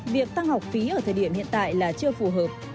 việc tăng học phí ở thời điểm hiện tại là chưa phù hợp